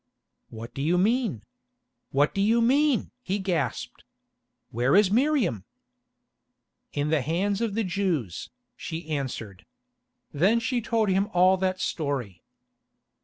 "What do you mean? What do you mean?" he gasped. "Where is Miriam?" "In the hands of the Jews," she answered. Then she told him all that story.